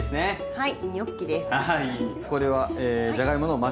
はい。